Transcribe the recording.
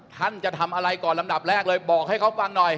ท่านจะทำอะไรก่อนลำดับแรกเลยบอกให้เขาฟังหน่อย